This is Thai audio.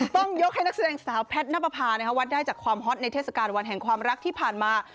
ต้องยกให้นักแสดงสาวแพทย์นับประพานะคะวัดได้จากความฮอตในเทศกาลวันแห่งความรักที่ผ่านมา